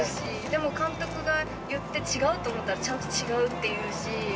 でも、監督が言って、違うと思ったらちゃんと違うって言うし。